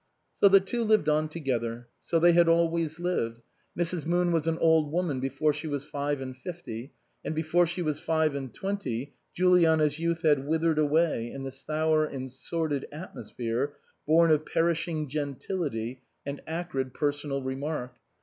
So the two lived on together ; so they had always lived. Mrs. Moon was an old woman before she was five and fif ty ; and before she was five and twenty, Juliana's youth had withered away in the sour and sordid atmosphere born of perishing gentility and acrid personal re mark.